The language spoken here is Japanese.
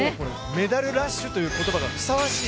メダルラッシュという言葉がふさわしい